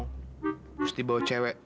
terus dibawa cewek